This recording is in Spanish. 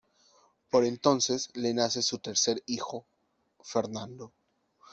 Por entonces le nace su tercer hijo, Fernando.